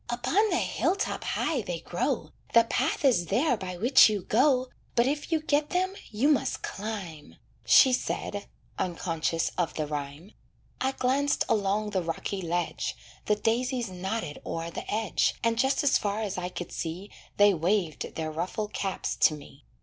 "Upon the hill top high they grow, The path is there by which you go, But if you get them you must climb," She said, unconscious of the rhyme. I glanced along the rocky ledge; The daisies nodded o'er the edge, And just as far as I could see They waved their ruffled caps to me.